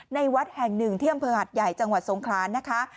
ในวัดแห่งหนึ่งเที่ยมเภอหัดใหญ่จังหวัดทรงคลานะคะ